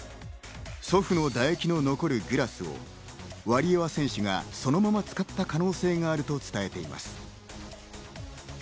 祖父の唾液の残るグラスをワリエワ選手がそのまま使った可能性があると伝えています。